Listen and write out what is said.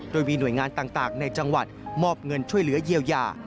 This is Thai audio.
โดยมีหน่วยงานต่างในจังหวัดมอบเงินช่วยเหลือเยียวยา